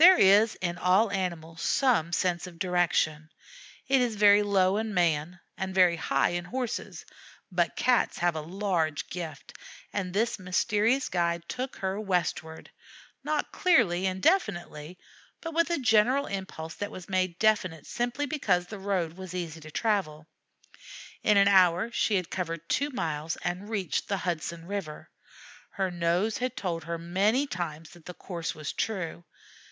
There is in all animals some sense of direction. It is very low in man and very high in Horses, but Cats have a large gift, and this mysterious guide took her westward, not clearly and definitely, but with a general impulse that was made definite simply because the road was easy to travel. In an hour she had covered two miles and reached the Hudson River. Her nose had told her many times that the course was true.